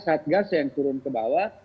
satgas yang turun ke bawah